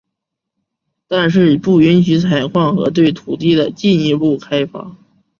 但是不允许采矿和对土地的进一步开发。